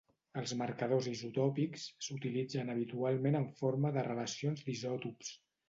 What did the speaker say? Els marcadors isotòpics s'utilitzen habitualment en forma de relacions d'isòtops.